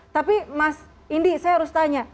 tapi mas indi saya harus tanya